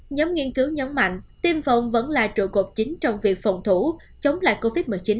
nhóm nghiên cứu nhấn mạnh tiêm phòng vẫn là trụ cột chính trong việc phòng thủ chống lại covid một mươi chín